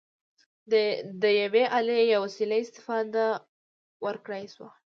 د یوې الې یا وسیلې استفاده وکړای شوه.